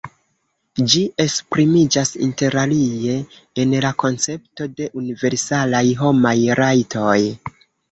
Ĝi esprimiĝas interalie en la koncepto de universalaj homaj rajtoj.